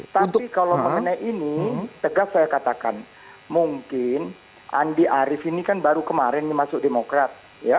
tapi kalau mengenai ini tegas saya katakan mungkin andi arief ini kan baru kemarin masuk demokrat